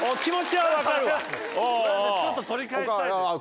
ちょっと取り返したい。